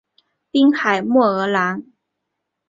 滨海莫厄朗。